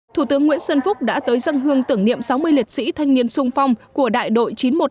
thủ tướng nguyễn xuân phúc đã tới dân hương tưởng niệm sáu mươi liệt sĩ thanh niên sung phong của đại đội chín trăm một mươi năm